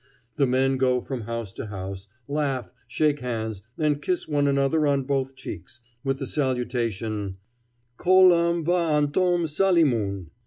The men go from house to house, laugh, shake hands, and kiss one another on both cheeks, with the salutation, "Kol am va antom Salimoon."